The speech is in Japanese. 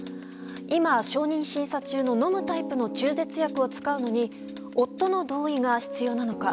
今、承認審査中の飲むタイプの中絶薬を使うのに夫の同意が必要なのか。